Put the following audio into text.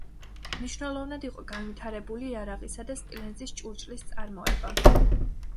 მნიშვნელოვნად იყო განვითარებული იარაღისა და სპილენძის ჭურჭლის წარმოება.